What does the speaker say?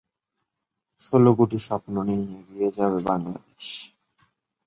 তাঁর সম্পর্কে বেশিরভাগ তথ্য ইরানি ব্লগ এবং ইন্টারনেট সাইট থেকে আসে এবং সেগুলি যাচাই করা যায়নি।